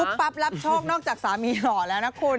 ปั๊บรับโชคนอกจากสามีหล่อแล้วนะคุณ